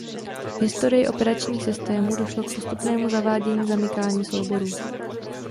V historii operačních systémů došlo k postupnému zavádění zamykání souborů.